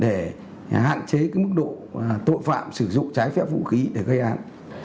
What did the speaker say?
để hạn chế mức độ tội phạm sử dụng trái phép vũ khí để gây án